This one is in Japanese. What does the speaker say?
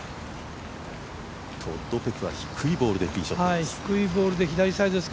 トッド・ペクは低いボールでティーショットです。